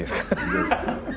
どうぞ。